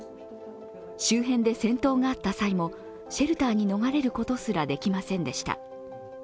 周辺で戦闘があった際もシェルターに逃れることすらできませんでした。